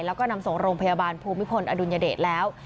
แล้วก็นำส่งโรงพยาบาลภูมิพลอดุลยเดชแล้ว